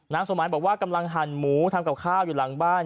สมัยบอกว่ากำลังหั่นหมูทำกับข้าวอยู่หลังบ้าน